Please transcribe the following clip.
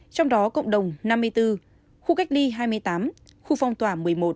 trong đó cộng đồng năm mươi bốn khu cách ly hai mươi tám khu phong tỏa một mươi một